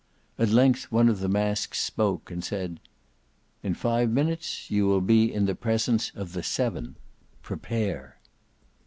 At length one of the masks spoke, and said, "In five minutes you will be in the presence of the SEVEN—prepare."